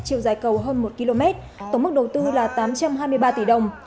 chiều dài cầu hơn một km tổng mức đầu tư là tám trăm hai mươi ba tỷ đồng